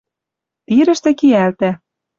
Тирӹштӹ киӓлтӓ